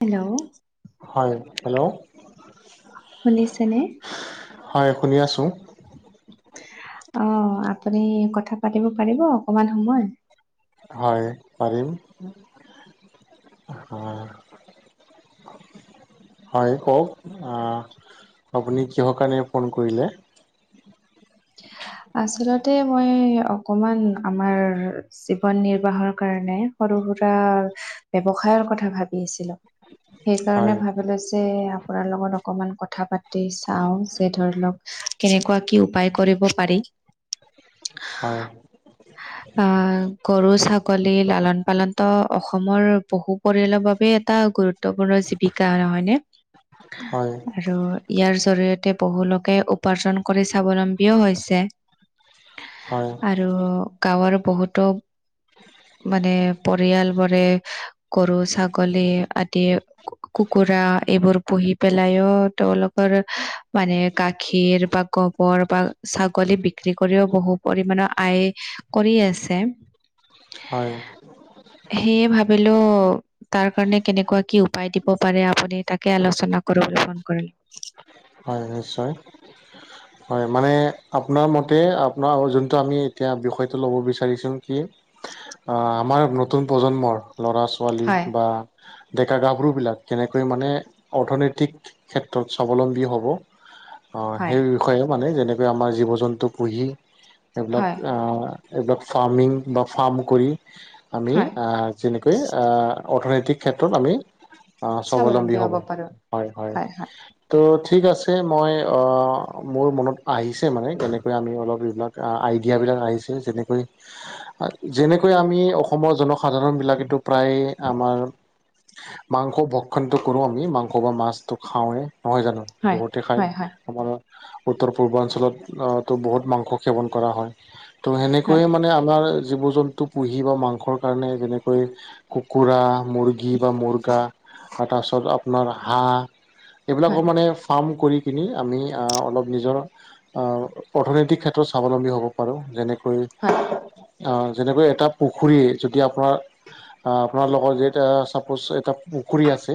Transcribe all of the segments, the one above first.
Hello? হয়, hello? শুনিছেনে? হয়, শুনি আছোঁ। অ', আপুনি কথা পাতিব পাৰিব অকমান সময়? হয় পাৰিম, হয় হয় কওক, আ আপুনি কিহৰ কাৰণে ফোন কৰিলে? আচলতে মই অকমান আমাৰ জীৱন নিৰ্বাহৰ কাৰণে সৰু সুৰা ব্যৱসায়ৰ কথা ভাবি আছিলো। হয় সেইকাৰণে ভাব বলৈ যে আপোনাৰ লগত অকণমান কথা পাতি চাওঁ, যে ধৰি লওক কেনেকুৱা কি উপায় কৰিব পাৰি? হয়। [inaudible] আহ গৰু, ছাগলী লালন পালনত অসমৰ পহু পৰিয়ালৰ বাবে এটা গুৰুত তপূৰ্ণ জীৱিকা নহয় নে হয় আৰু ইয়াৰ জৰিয়তে বহুলোকে উপাৰ্জন কৰি স্বাৱলম্বীও হৈছে। হয় আৰু গাঁৱৰ বহুতো মানে পৰিয়ালবোৰে গৰু, ছাগলী আদি কু কুকুৰা এইবোৰ পুহি পেলাইও তেওঁলোকৰ মানে গাখীৰ বা গ বৰ বা ছাগলী বিক ক্ৰী কৰিও বহু পৰিমানৰ আয় কৰি আছে। হয়। সেয়ে ভাবিলো তাৰ কাৰণে কেনেকুৱা কি উপায় দিব পাৰে আপুনি তাকে আলোচনা কৰোঁ বুলি এইখন কৰিলো। হয় নিশ্চয়। [inaudible] হয় মানে আপোনাৰ মতে আপোনাৰ যোনটো আমি এতিয়া বিষয়টো ল'ব বিচাৰিছোঁ কি [inaudible] আহ আমাৰ নতুন প্ৰজন্মৰ ল'ৰা - ছোৱালী হয় বা ডেকা - গাভৰুবিলাক কেনেকৈ মানে অৰ্থনৈতিক ক্ষে ক্ষেত্ৰত স্বাৱলম্বী হ'ব। অ হয় সেই বিষয়েও মানে যেনেকৈ আমাৰ জীৱ - জন্তু পুহি সেইবিলাক হয় আ সেইবিলাক ফাৰ্মিং বা ফাৰ্ম কৰি আমি হয় আ যেনেকৈ আ অৰ্থনৈতিক ক্ষেত্ৰত আমি অ স্বাৱলম্বী হ'ব, হয় হয়। ত' ঠিক আছে, মই অ মোৰ মনত আহিছে মানে কেনেকৈ আমি অলপবিলাক কা আইডিয়াবিলাক আহিছে যেনেকৈ যেনেকৈ আমি অসমৰ জনসাধাৰণ বিলাকেটো প্ৰায় আমাৰ- মাংস ভক্ষণটো কৰো আমি, মাংস বা মাছটো খাওঁৱে নহয় জানো। বহুতে খায় আমাৰ উত্তৰ পূৰ্বাঞ্চলত তো বহুত মাংস সেৱন কৰা হয়। তো সেনেকৈয়ে মানে আমাৰ জীৱ জন্তু পুহি বা মাংসৰ- কাৰণে যেনেকৈ কুকুৰা মূৰ্গী বা মূৰ্গা বা তাৰপিছত- আপোনাৰ হাঁহ এইবিলাকৰ মানে ফাৰ্ম কৰি কিনি আমি আঁ অলপ নিজৰ- অঁ' অৰ্থনৈতিক ক্ষেত্ৰত স্বাৱলম্বী হ'ব পাৰোঁ, যেনেকৈ- হয়। অঁ' যেনেকৈ এটা পুখুৰী যদি আপোনাৰ- অঁ' আপোনালোকৰ যেতা চাপ'জ এটা- পুখুৰী আছে,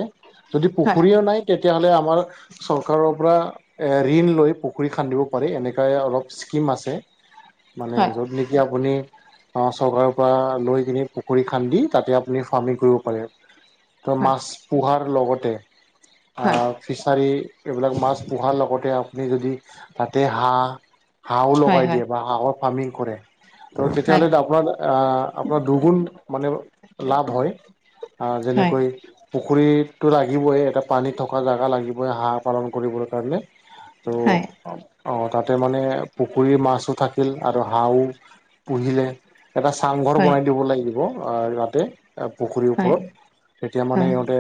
যদি পুখুৰীও নাই তেতিয়াহ'লে আমাৰ চৰকাৰৰ পৰা- এ ঋণ লৈ পুখুৰী খান্দিব পাৰি, এনেকাই অলপ স্কীম আছে। মানে, য'ত নেকি আপুনি- অঁ' চৰকাৰৰ পৰা লৈ কিনে পুখুৰী খান্দি তাতে আপুনি ফাৰ্মিং কৰিব পাৰে। ত' মাছ পোহাৰ লগতে অঁ- কাছাৰী এইবিলাক মাছ পোহাৰ লগতে আপুনি যদি তাতে হাঁহ- হাঁহো লগাই দিয়ে বা হাঁহৰ ফাৰ্মিং কৰে- ত' তেতিয়াহ'লে আপোনাৰ আহ আপোনাৰ দুগুণ মানে লাভ হয়। অঁ' যেনেকৈ- পুখুৰীতটো লাগিবই, এটা পানীত থকা যাগা লাগিবই হাঁহ পালন কৰিবৰ কাৰণে। অঁ' অঁ তাতে মানে পুখুৰীৰ মাছো থাকিল আৰু হাঁহো পুহিলে। এটা চাংঘৰ বনাই দিব লাগিব অঁ তাতে। এ পুখুৰীৰ ওপৰত তেতিয়া মানে সিহঁতে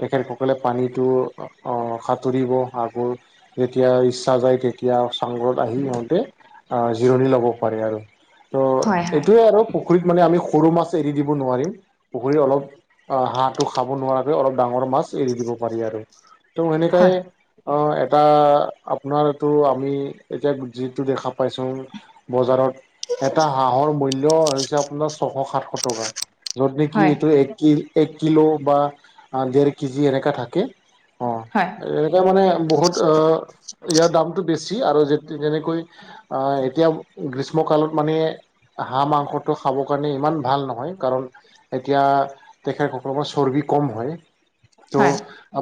তেখেতসকলে পানীটো- অঁ' সাঁতুৰিব হাঁহবোৰ, যেতিয়া ইচ্ছা যায় তেত- এতিয়া চাংঘৰত আহি সিহঁতে অঁ জিৰণি ল'ব পাৰে আৰু, তো এইটোৱে আৰু- পুখুৰীত মানে আমি সৰু মাছ এৰি দিব নোৱাৰিম, পুখুৰী অলপ- অঁ' আহ হাঁহটো খাব নোৱাৰে অলপ ডাঙৰ মাছ এৰি দিব পাৰি আৰু। ত' সেনেকাই- অ' এটা আপোনাৰটো আমি এতিয়া যিটো দেখা পাইছোং- বজাৰত এটা হাঁহৰ মূল্য হৈছে আপোনাৰ ছশ সাতশ টকা। যত নেকি এইটো এক কি এক কিলো বা দেৰ কেজি এনেকা থাকে। অঁ' এনেকে মানে বহুত অ ইয়াৰ দামটো বেছি আৰু যেনেকৈ- আঁহ এতিয়া গ্ৰীষ্ম কালত মানে- হাঁহ মাংসটো খাবৰ কাৰণে ইমান ভাল নহয়, কাৰণ- এতিয়া তেখেতসকলৰ চৰ্বি কম হয় ত'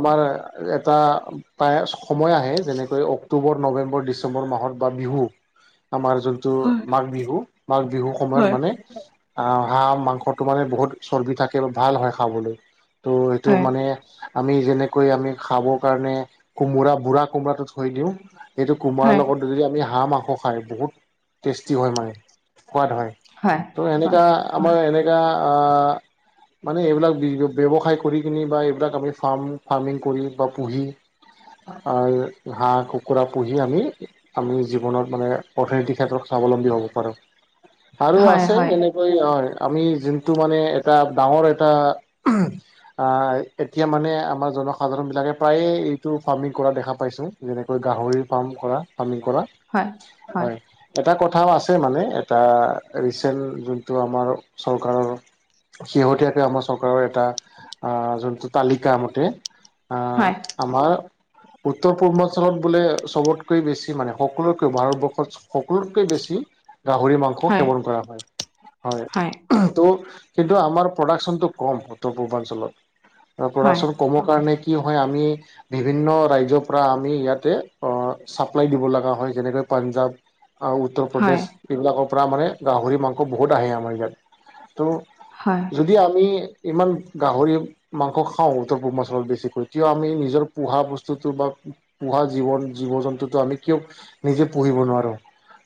আমাৰ- এটাই সময় আহে যেনেকৈ অক্টোবৰ নৱেম্বৰ ডিচেম্বৰ মাহত বা বিহু- আমাৰ যোনটো মাঘ বিহু মাঘ বিহু সময়ত মানে- অঁ হাঁহ মাংসটো মানে বহুত চৰ্বি থাকে বা ভাল হয় খাবলে। ত' সেইটো মানে আমি যেনেকৈ আমি- খাবৰ কাৰণে কোমোৰা বুঢ়া কোমোৰাটো থৈ দিওঁ এইটো কোমৰাৰ লগত- আৰু যদি আমি হাঁহ মাংস খাই বহুত টেষ্টি হয় মানে। সোৱাদ হয় ত' এনেকা আমাৰ এনেকা আহ- মানে এইবিলাক ব্যৱসায় কৰি কিনি বা এইবিলাক আমি ফাৰ্ম ফাৰ্মিং কৰি- বা পুহি অঁ' হাঁহ কুকুৰা পুহি আমি- আমি জীৱনত মানে অৰ্থনীতিৰ ক্ষেত্ৰত স্বাৱলম্বী হ'ব পাৰোঁ, আৰু আছে যেনে- হয় আমি যোনটো মানে এটা ডাঙৰ এটা অ' হয়, এতিয়া মানে আমাৰ জনসাধাৰণ বিলাকে প্ৰায়ে এইটো ফাৰ্মিং কৰা দেখা পাইছো, যেনেকৈ গাহৰি ফাৰ্ম কৰা ফাৰ্মিং কৰা। হয়। এটা কথাও আছে মানে, এটা ৰিচেণ্ট যোনটো আমাৰ চৰকাৰৰ। শেহতীয়াকৈ আমাৰ চৰকাৰৰ এটা আ যোনটো তালিকা মতে। আহ হয়। আমাৰ উত্তৰ পূৰ্বাঞ্চলত বোলে চবতকৈ বেছি মানে সকলোতকৈ ভাৰতবৰ্ষত। সকলোতকৈ বেছি গাহৰি মাংস সেৱন কৰা হয়, হয়। ত' কিন্তু আমাৰ প্ৰডাকশ্যনটো কম উত্তৰ পূৰ্বাঞ্চলত। প্ৰডাকশ্যন কমৰ কাৰণে কি হয় আমি বিভিন্ন ৰাজ্যৰ পৰা আমি ইয়াতে ছাপ্লাই দিব লগা হয়, যেনেকৈ পাঞ্জাৱ। উত্তৰ প্ৰদেশ, এইবিলাকৰ পৰা মানে গাহৰি মাংস বহুত আহে আমাৰ ইয়াত, ত' হয়। যদি আমি ইমান গাহৰি মাংস খাওঁ, উত্তৰ পূৰ্বাঞ্চলত বেছিকৈ। কিয় আমি নিজৰ পোহা বস্তুটো, বা পোহা জীৱন জীৱ- জন্তুটো আমি কিয় নিজে পুহিব নোৱাৰো,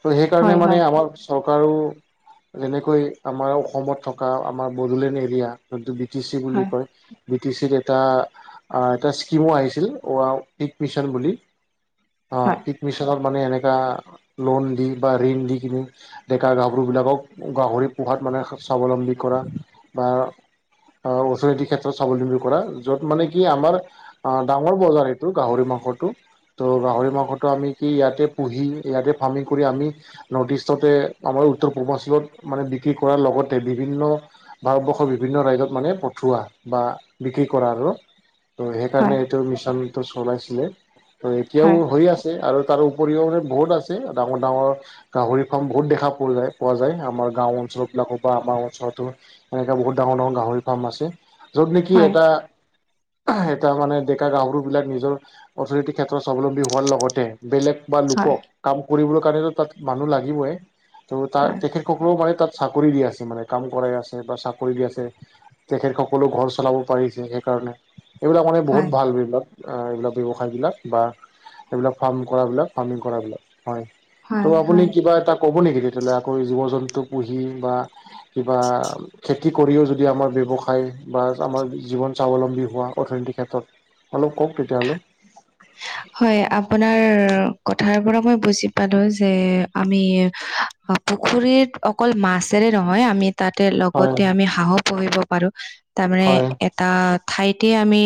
ত' সেইকাৰণে মানে আমাৰ চৰকাৰো যেনেকৈ আমাৰ অসমত থকা, আমাৰ বডোলেণ্ড এৰিয়া। টো বি টি চি বুলি কয়, বি টি চ ৰ এটা এটা স্কিমো আহিছিল, অ আ পিক মিছন বুলি, অ' পিক মিচনৰ মানে এনেকা লোন দি বা ঋণ দি কিনে ডেকা গাভৰুবিলাকক গাহৰি পোহাত মানে স্বাৱলম্বী কৰা। বা অ', অৰ্থনৈতিক ক্ষেত্ৰত স্বাৱলম্বী কৰা, য'ত মানে কি আমাৰ আ ডাঙৰ বজাৰ সেইটো গাহৰি মাংসটো। ত' গাহৰি মাংসতো আমি কি ইয়াতে পুহি, ইয়াতে ফাৰ্মিং কৰি আমি নৰ্থইষ্টতে আমাৰ উত্তৰ পূৰ্বাঞ্চলত মানে বিক্ৰী কৰাৰ লগতে বিভিন্ন ভাৰতবৰ্ষৰ বিভিন্ন ৰাজ্যত মানে পঠোৱা, বা বিক্ৰী কৰা আৰু ত' সেই কাৰণে এইটো মিছনটো চলাইছিলে, ত' এতিয়াও হৈ আছে। আৰু তাৰ উপৰিও বহুত আছে ডাঙৰ ডাঙৰ। গাহৰি ফাৰ্ম বহুত দেখা পোৱা যায়, পোৱা যায়, আমাৰ গাঁও অঞ্চল বিলাকো বা আমাৰ অঞ্চলতো। এনেকা বহুত ডাঙৰ ডাঙৰ গাহৰি ফাৰ্ম আছে, য'ত নেকি এটা এটা মানে ডেকা গাহৰুবিলাক নিজৰ অৰ্থনৈতিক ক্ষেত্ৰত স্বাৱলম্বী হোৱাৰ লগতে, বেলেগ বা লোকক, কাম কৰিবলৈ কাৰণেতো তাত মানুহ লাগিবই। ত' তাত তেখেতসকলেও মানে তাত চাকৰি দি আছে, মানে কাম কৰাই আছে, বা চাকৰি দি আছে। তেখেত সকলো ঘৰ চলাব পাৰিছে, সেইকাৰণে এইবিলাক মানে বহুত ভাল বিভাগ। এইবিলাক ব্যৱসায়বিলাক বা এইবিলাক ফাৰ্ম কৰাবিলাক ফাৰ্মিং কৰাবিলাক হয়। ত' আপুনি কিবা এটা ক'ব নেকি, তেতিয়াহ'লে আকৌ জীৱ জন্তু- পুহি বা কিবা খেতি কৰিও যদি আমাৰ ব্যৱসায় বা আমাৰ জীৱন স্বাৱলম্বী হোৱা অৰ্থনৈতিক ক্ষেত্ৰত অলপ কওঁক তেতিয়াহ'লে। [unintelligible] হয়' আপোনাৰ কথাৰ পৰা মই বুজি পালো যে, আমি অ' পুখুৰীৰত অকল মাছেৰে নহয় আমি তাতে হয় লগতে আমি হাঁহও পুহিব পাৰো, তাৰমানে হয় তা ঠাইতে আমি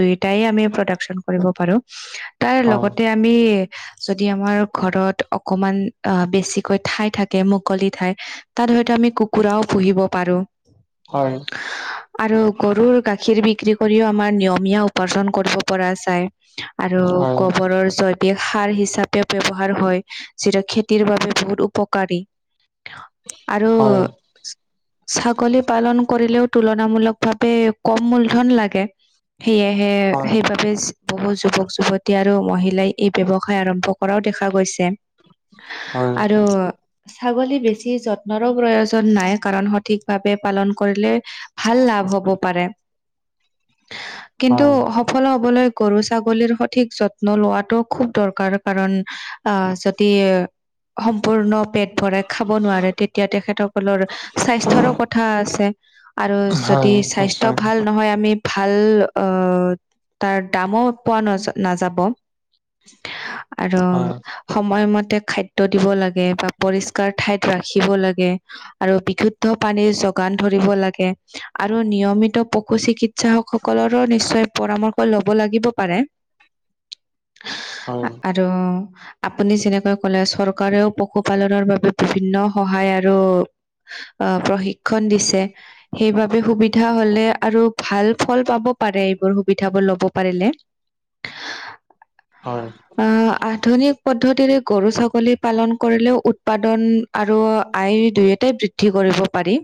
দুইটাই আমি প্ৰডাকশ্বন কৰিব পাৰো। তাই হয় লগতে আমি। যদি আমাৰ ঘৰত অকমান আহ বেছিকৈ ঠাই থাকে মুকলি ঠাই এহ্ হে। তাত হয়তো আমি কুকুৰাও পুহিব পাৰো। হয়। হা আ আ আ আৰু গৰুৰ গাখীৰ বিক্ৰী কৰিও আমাৰ নিয়মীয়া উপাৰ্জন কৰিব পৰা যায়। আৰু হয় গোবৰৰ চত এ সাৰ হিচাপে ব্যৱহাৰ হয় ইহ্ যিটো খেতিৰ বাবে বহুত উপকাৰী। কিহ চু আৰু হয় সি। ছাগলী পালন কৰিলেও তুলনামূলক ভাৱে কম মূলধন লাগে। সেয়েহে সে হয় সেইবাবে ইস্ বহু যুৱক যুৱতী আৰু মহিলাই এই ব্যৱসায় আৰম্ভ কৰাও দেখা গৈছে। এ এ এ আ আ হয় আ আৰু ছাগলী বেছি যত্নৰো প্ৰয়োজন নাই কাৰণ সঠিক ভাৱে পালন কৰিলে হে হে। আহ ভাল লাভ হব পাৰে এ এ এ আ। কিন্তু হয় সফল হ'বলৈ গৰু-ছাগলীৰ সঠিক যত্ন লোৱাটো খুব দৰকাৰ কাৰণ হা হা বা আহ যদি এ সম্পূৰ্ণ পেট ভৰে খাব নোৱাৰে তেতিয়া তেখেতসকলৰ আ আ আ স্বাস্থ্যৰো কথা আছে। আৰু হয় যদি স্বাস্থ্য নিশ্চয় ভাল নহয় আমি ভাল অ অ অ অ অ, তাৰ দামো পোৱা নাযায়। নাযাব আৰু হয় সময়মতে খাদ্য দিব লাগে। কিবা পৰিষ্কাৰ ঠাইত ৰাখিব লাগে। আৰু বিশুদ্ধ পানীৰ যোগান ধৰিব লাগে আৰু নিয়মিত পশু চিকিৎ চাষক সকলৰো নিশ্চয় পৰামৰ্শ লব লাগিব পাৰে। আহ হয় আৰু আপুনি যেনেকৈ কলে চৰকাৰেও পশুপালনৰ বাবে বিভিন্ন সহায় আৰু আ আ, আহ প্ৰশিক্ষণ দিছে। সেইবাবে সুবিধা হলে আৰু ভাল ফল পাব পাৰে এইবোৰ সুবিধাবোৰ ল'ব পাৰিলে। হয়। আ আহ্। আধুনিক পদ্ধতিৰে গৰু-ছাগলী পালন কৰিলেও উৎপাদন আৰু আয় দুয়োটাই বৃদ্ধ ধি কৰিব পাৰি।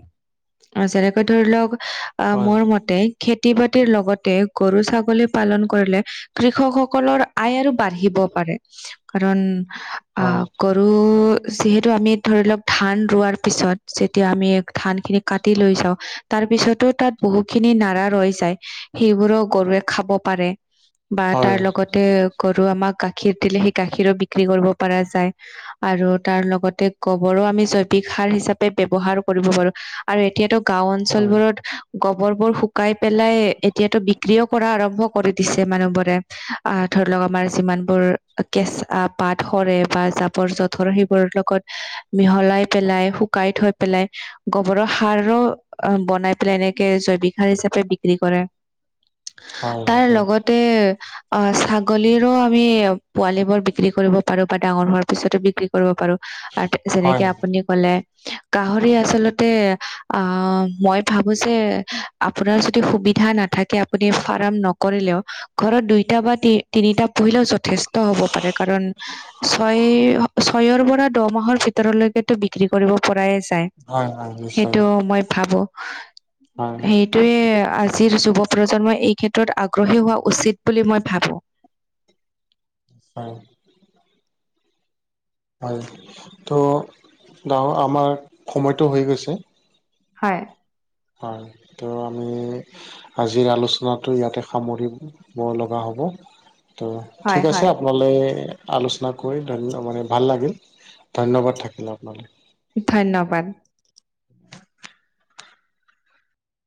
আৰু যেনেকৈ ধৰি লওক আ আ আ। আহ মোৰ মতে খেতি-বাতিৰ লগতে গৰু ছাগলী পালন কৰিলে আ আ। কৃষকসকলৰ আয় আৰু বাঢ়িব পাৰে। ই ই স কাৰণ আ আ আ হয় আহ প ৰু অহ। যিহেতু আমি ধৰি লওক ধান ৰোৱাৰ পিছত যেতিয়া আমি ধান খিনি কাটি লৈ যাওঁ আহ্ আহ্। তাৰ পিছতো তাত বহুত খিনি নাৰা ৰৈ যায়। হে এ এ সেইবোৰো গৰুৱে খাব পাৰে। বা তাৰ হয় লগতে গৰু আমাক গাখীৰ দিলে সেই গাখীৰো বিক্ৰী কৰিব পাৰা যায় আহ্ আহ্। আৰু তাৰ লগতে গোবৰো আমি জৈৱিক সাৰ হিচাপে ব্যৱহাৰ কৰিব পাৰো আ আ আ। আৰু এতিয়াতো গাওঁ হয় অঞ্চলবোৰত হা আ। গোবৰবোৰ শুকাই পেলাই এতিয়াতো বিক্ৰীও কৰা আৰম্ভ কৰি দিছে মানুহবোৰ। দে ই ই আহ্ আ ধৰিলওক আমাৰ যিমানবোৰ কেচা পাত সৰে বা জাবৰ জোথৰ বোৰৰ লগত এ এ এ হে মিহলাই পেলাই শুকাই থৈ পেলাই ই আহ্। গোবৰৰ সাৰো অ অহ বনাই পেলাই এনেকে জৈৱিক সাৰ হিচাপে বিক্ৰী কৰে। চু হা আ হয় আ তাৰ নিশ্চয় লগতে। আহ হা অ ছাগলীৰো আমি পোৱালী বোৰ বিক্ৰী কৰিব পাৰো বা ডাঙৰ হোৱাৰ পিছতো বিক্ৰী কৰিব পাৰো আ আ আ আৰু তে হয় যেনেকে আপুনি কলে। গাহঁৰি আচলতে আহ, মই ভাবো যে আপোনাৰ যদি সুবিধা নাথাকে আপুনি ফাৰ্ম নকৰিলেওঁ ঘৰত দুইটা বা তি তিনিটা পূহিলেও যথেষ্ট হ'ব পাৰে। কাৰণ ছয় ছয়ৰ পৰা দহঁমাহৰ ভিতৰলৈকেতো বিক্ৰী কৰিব পৰাই আছেঁ। হয় হয় নিশ্চয় সেইটোওঁ মই ভাবো হয় সেই। এইয়ে আজিৰ যুৱ প্ৰজন্মই এই ক্ষেত্ৰত আগ্ৰহী হোৱা উচিত বুলি মই ভাবোঁ। হয়। হয় ত' নাৱ আমাৰ সময়টো হৈ গৈছে। হয়। হয়। ত' আমি আজিৰ আলোচনাটো ইয়াতে সামৰিব লগা হ'ব। ত' হয় ঠিক আছে হয় আপোনাক আলোচনা কৰি মানে ভাল লাগিল ধন্যবাদ থাকিল আপোনালৈ। ধন্যবাদ। [inaudible]